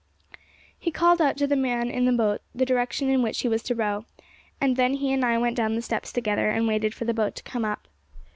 He called out to the man in the boat the direction in which he was to row, and then he and I went down the steps together, and waited for the boat to come up.